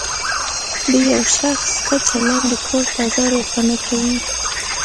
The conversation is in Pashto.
د یو شخص ښه چلند د کور فضا روښانه کوي.